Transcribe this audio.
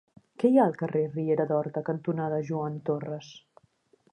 Què hi ha al carrer Riera d'Horta cantonada Joan Torras?